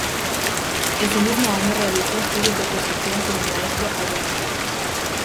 Ese mismo año realizó estudios de orquestación con el maestro Albert Harris.